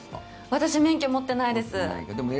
私免許持っていないです。